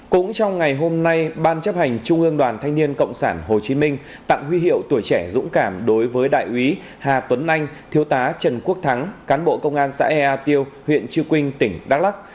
cũng trong ngày hôm nay ban chấp hành trung ương đoàn thanh niên cộng sản hồ chí minh tặng huy hiệu tuổi trẻ dũng cảm đối với đại úy hà tuấn anh thiếu tá trần quốc thắng cán bộ công an xã ea tiêu huyện chư quynh tỉnh đắk lắc